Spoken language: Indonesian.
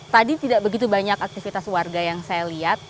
tadi tidak begitu banyak aktivitas warga yang saya lihat